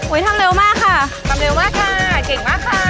ทำเร็วมากค่ะทำเร็วมากค่ะเก่งมากค่ะ